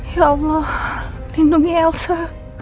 ya allah lindungi elsa